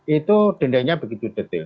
itu dendanya begitu detail